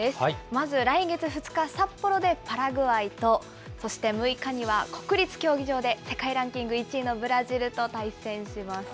まず来月２日、札幌でパラグアイと、そして６日には国立競技場で、世界ランキング１位のブラジルと対戦します。